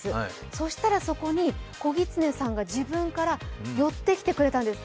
そうしたら、そこに子ぎつねさんが自分から寄ってきてくれたんです。